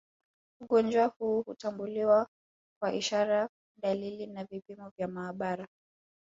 Ugonjwa huu hutambuliwa kwa ishara dalili na vipimo vya maabara